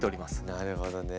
なるほどね。